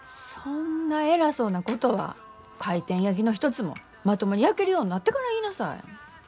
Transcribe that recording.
そんな偉そうなことは回転焼きの一つもまともに焼けるようになってから言いなさい。